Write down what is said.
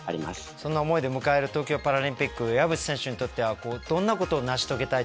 そんな思いで迎える東京パラリンピック岩渕選手にとってはどんなことを成し遂げたい大会になるんでしょうか。